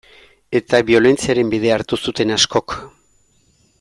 Eta biolentziaren bidea hartu zuten askok.